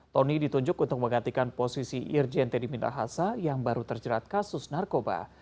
tony ditunjuk untuk menggantikan posisi irjen teddy minahasa yang baru terjerat kasus narkoba